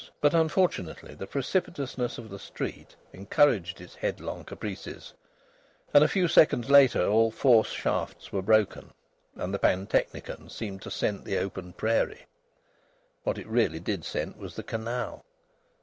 But unfortunately the precipitousness of the street encouraged its head strong caprices, and a few seconds later all four shafts were broken, and the pantechnicon seemed to scent the open prairie. (What it really did scent was the canal.)